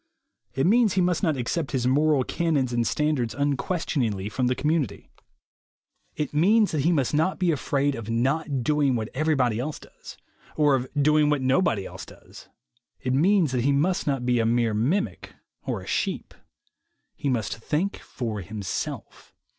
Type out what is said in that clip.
It means he must not accept his moral canons and standards unquestioningly from the community. It means 24 THE WAY TO WILL POWER that he must not be afraid of "not doing what everybody else does" or of "doing what nobody else does." It means that he must not be a mere mimic or a sheep. He must think for himself.